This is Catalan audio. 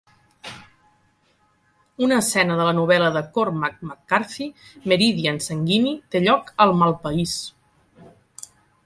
Una escena de la novel·la de Cormac McCarthy "Meridian sanguini" té lloc al Malpais.